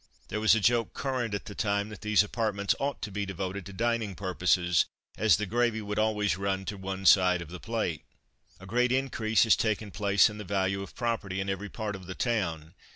There was a joke current at the time that these apartments ought to be devoted to dining purposes, as the gravy would always run to one side of the plate! A great increase has taken place in the value of property in every part of the town.